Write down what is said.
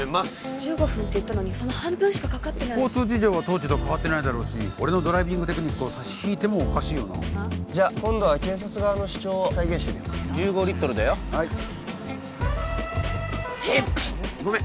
１５分って言ったのにその半分しかかかってない交通事情は当時と変わってないだろうし俺のドライビングテクニックを差し引いてもおかしいよな今度は検察側の主張を再現してみようか１５リットルだよはいごめん